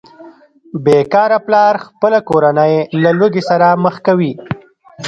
بې کاره پلار خپله کورنۍ له لوږې سره مخ کوي